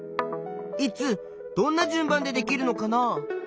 いつどんな順番でできるのかな？